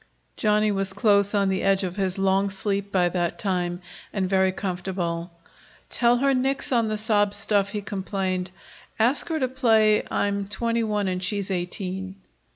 Johnny was close on the edge of his long sleep by that time, and very comfortable. "Tell her nix on the sob stuff," he complained. "Ask her to play 'I'm twenty one and she's eighteen.'"